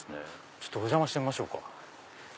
ちょっとお邪魔してみましょうか。